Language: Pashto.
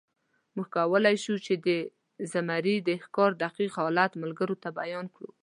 موږ کولی شو، چې د زمري د ښکار دقیق حالت ملګرو ته بیان کړو.